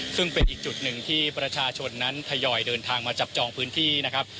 ซึ่งเป็นอีกจุดหนึ่งที่ประชาชนนั้นทยอยเดินทางมาจับจองพื้นที่นะครับ